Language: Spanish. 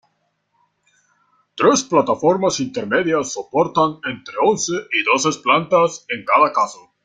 Tres plataformas intermedias soportan entre once y doce plantas en cada caso.